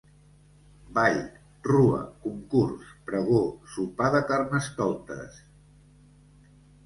Ball, rua, concurs, pregó, sopar de carnestoltes...